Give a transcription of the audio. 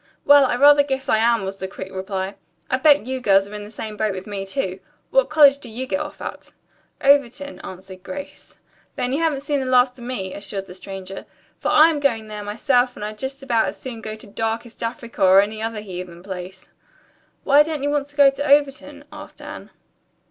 "Well, I rather guess I am," was the quick reply. "I'll bet you girls are in the same boat with me, too. What college do you get off at?" "Overton," answered Grace. "Then you haven't seen the last of me," assured the stranger, "for I'm going there myself and I'd just about as soon go to darkest Africa or any other heathen place." "Why don't you wish to go to Overton?" asked Anne.